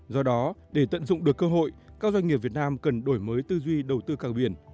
do đó để tận dụng được cơ hội các doanh nghiệp việt nam cần đổi mới tư duy đầu tư cảng biển